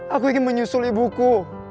aku ingin menyusul ibuku